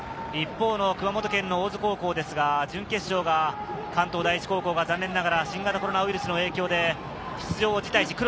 一方の熊本県の大津高校ですが、準決勝が関東第一高校が残念ながら新型コロナウイルスの影響で出場を辞退し。